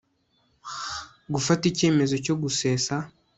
Gufata icyemezo cyo gusesa